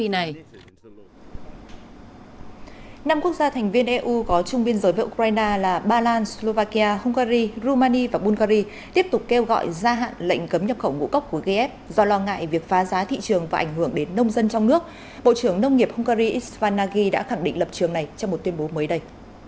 năm quốc gia thành viên eu có chung biên giới với ukraine là ba lan slovakia hungary rumania và bulgari tiếp tục kêu gọi gia hạn lệnh cấm nhập khẩu ngũ cốc của gf do lo ngại việc phá giá thị trường và ảnh hưởng đến nông dân trong nước bộ trưởng nông nghiệp hungary isvan nagy đã khẳng định lập trường này trong một tuyên bố mới đây